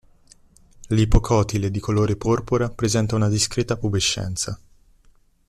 L'ipocòtile, di colore porpora, presenta una discreta pubescenza.